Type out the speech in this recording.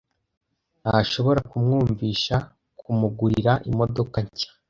Ntashobora kumwumvisha kumugurira imodoka nshya.